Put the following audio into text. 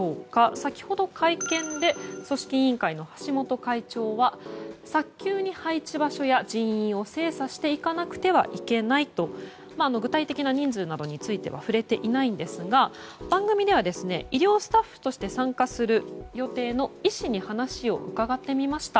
先ほど、会見で組織委員会の橋本会長は早急に配置場所や人員を精査していかなくてはいけないと具体的な人数などについては触れていないんですが番組では医療スタッフとして参加する予定の医師に話を伺ってみました。